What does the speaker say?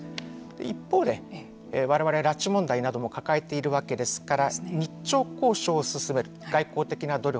一方で、われわれ拉致問題なども抱えているわけですから日朝交渉を進める外交的な努力